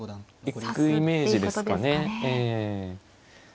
行くイメージですかね。